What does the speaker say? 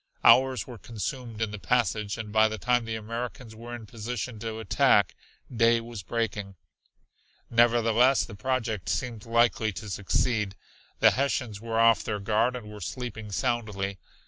Hours were consumed in the passage, and by the time the Americans were in position to attack, day was breaking. Nevertheless the project seemed likely to succeed. The Hessians were off their guard and were sleeping soundly.